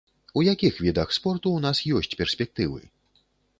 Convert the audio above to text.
У якіх відах спорту ў нас ёсць перспектывы?